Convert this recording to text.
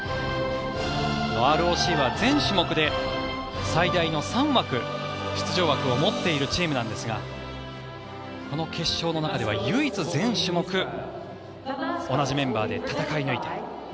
ＲＯＣは全種目で最大の３枠出場枠を持っているチームなんですがこの決勝の中で唯一、全種目同じメンバーで戦い抜いた。